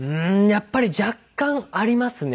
やっぱり若干ありますね。